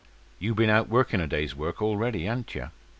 "You bin out workin' a day's work already, han't yer?"